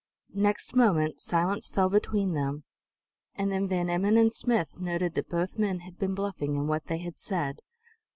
Next moment silence fell between them; and then Van Emmon and Smith noted that both men had been bluffing in what they had said.